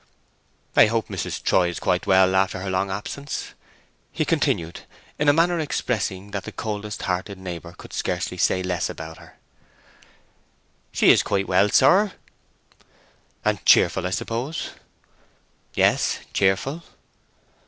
"I hope Mrs. Troy is quite well after her long absence," he continued, in a manner expressing that the coldest hearted neighbour could scarcely say less about her. "She is quite well, sir." "And cheerful, I suppose." "Yes, cheerful."